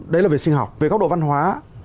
đấy là về sinh học về góc độ văn hóa